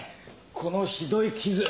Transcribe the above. このひどい傷。